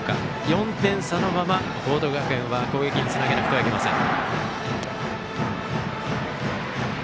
４点差のまま、報徳学園は攻撃につなげなければなりません。